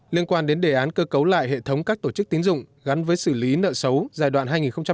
liên quan đến đề án cơ cấu lại hệ thống các tổ chức tín dụng gắn với xử lý nợ xấu giai đoạn hai nghìn một mươi sáu hai nghìn hai mươi